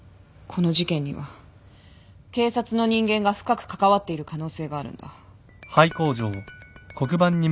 この事件には警察の人間が深く関わっている可能性があるんだ。